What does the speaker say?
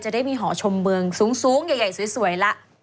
ได้มีหอชมเมืองสูงใหญ่สวยละ